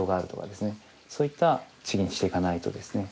そういった地域にしていかないとですね